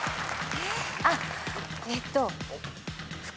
あっえっと。